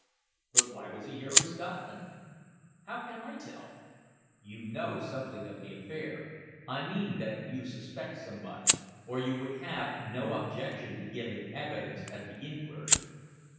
"But why was he here, in Scotland?" "How can I tell?" "You know something of the affair. I mean that you suspect somebody, or you would have no objection to giving evidence at the inquiry."